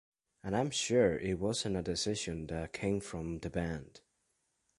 And I'm sure it wasn't a decision that came from the band.